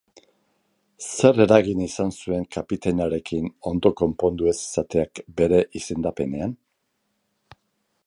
Zer eragin izan zuen kapitainarekin ondo konpondu ez izateak bere izendapenean?